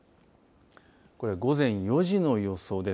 これは午前４時の予想です。